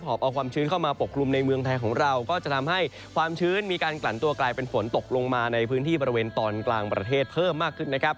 อบเอาความชื้นเข้ามาปกคลุมในเมืองไทยของเราก็จะทำให้ความชื้นมีการกลั่นตัวกลายเป็นฝนตกลงมาในพื้นที่บริเวณตอนกลางประเทศเพิ่มมากขึ้นนะครับ